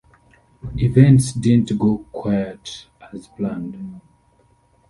Events didn't go quite as planned.